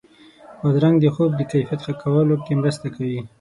بادرنګ د خوب د کیفیت ښه کولو کې مرسته کوي.